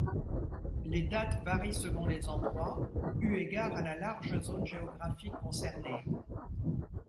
Les dates varient selon les endroits eu égard à la large zone géographique concernée.